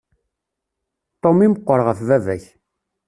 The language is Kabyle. Tom i meqqer ɣef baba-k.